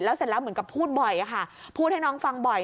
เสร็จแล้วเหมือนกับพูดบ่อยค่ะพูดให้น้องฟังบ่อย